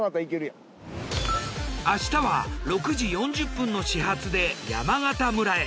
明日は６時４０分の始発で山形村へ。